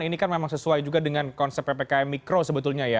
ini kan memang sesuai juga dengan konsep ppkm mikro sebetulnya ya